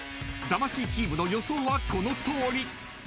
［魂チームの予想はこのとおり］